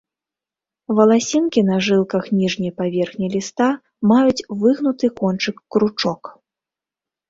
Валасінкі на жылках ніжняй паверхні ліста маюць выгнуты кончык-кручок.